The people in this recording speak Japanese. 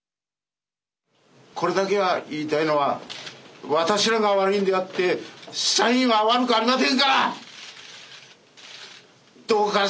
これだけは言いたいのは私らが悪いんであって社員は悪くありませんから！